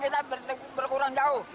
pendapatan kita berkurang jauh